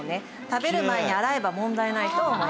食べる前に洗えば問題ないと思います。